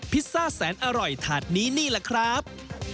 พิซซ่าแสนอร่อยถาดนี้นี่แหละครับ